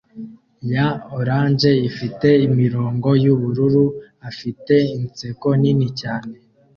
ya orange ifite imirongo yubururu afite inseko nini cyane